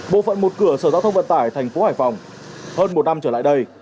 bộ phận một cửa sở giao thông vận tải thành phố hải phòng hơn một năm trở lại đây